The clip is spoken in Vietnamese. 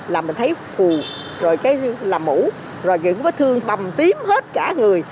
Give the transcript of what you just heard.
là mình thấy phù rồi cái làm mũ rồi những vết thương bầm tím hết cả người